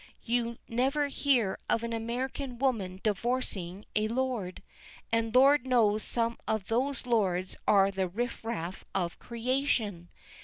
You never hear of an American woman divorcing a lord, and Lord knows some of those lords are the riff raff of creation.